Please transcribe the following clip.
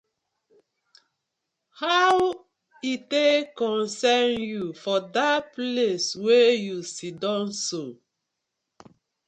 How e tak concern yu for dat place wey yu siddon so?